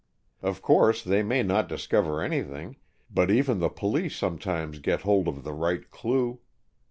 Of course they may not discover anything, but even the police sometimes get hold of the right clue.